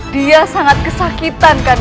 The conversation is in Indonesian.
dia sangat kesakitan kandang